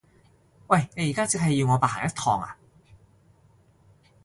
喂！你而家即係要我白行一趟呀？